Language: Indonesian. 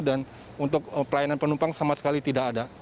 dan untuk pelayanan penumpang sama sekali tidak ada